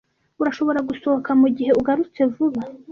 Urashobora gusohoka mugihe ugarutse vuba.